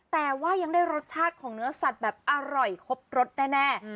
แต่ว่ายังได้รสชาติของเนื้อสัตว์แบบอร่อยครบรสแน่